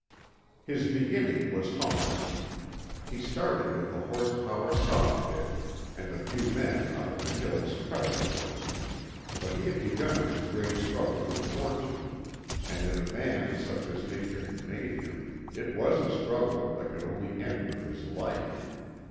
His beginning was humble. He started with a horse power saw pit, and a few men up in the hills cutting for him. But he had begun his great struggle with fortune, and, in a man such as Nature had made him, it was a struggle that could only end with his life.